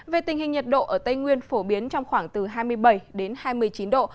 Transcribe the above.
về tình hình nhiệt độ ở tây nguyên phổ biến trong khoảng từ hai mươi bảy đến hai mươi chín độ